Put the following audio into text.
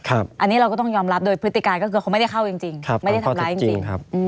อันนี้เราก็ต้องยอมรับโดยพฤติการก็คือเขาไม่ได้เข้าจริง